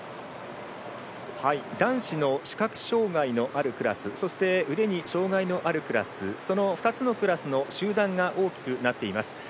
男子の視覚障がいのあるクラスそして、腕に障がいのあるクラスその２つのクラスの集団が大きくなっています。